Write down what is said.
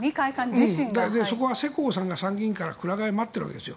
そこは世耕さんが参議院からくら替えを待っているわけですよ。